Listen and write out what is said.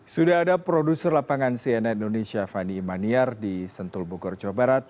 sudah ada produser lapangan cnn indonesia fani imaniar di sentul bogor jawa barat